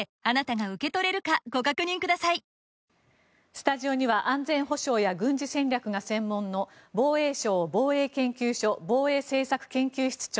スタジオには安全保障や軍事戦略が専門の防衛省防衛研究所防衛政策研究室長